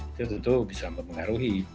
itu tentu bisa mempengaruhi